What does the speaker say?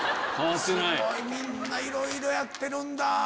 みんないろいろやってるんだ。